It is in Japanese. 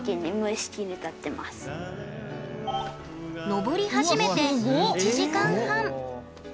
登り始めて、１時間半。